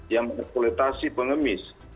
yang ekskualitasi pengemis